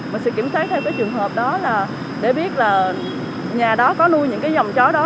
mình sẽ kiểm tra theo cái trường hợp đó là để biết là nhà đó có nuôi những cái dòng chó đó